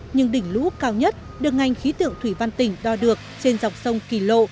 nhưng đỉnh lũ cao nhất được ngành khí tượng thủy văn tỉnh đo được trên dọc sông kỳ lộ